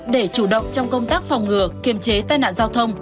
để chủ động trong công tác phòng ngừa kiềm chế tai nạn giao thông